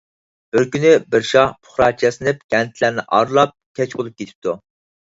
بىر كۈنى بىر شاھ پۇقراچە ياسىنىپ كەنتلەرنى ئارىلاپ، كەچ بولۇپ كېتىپتۇ.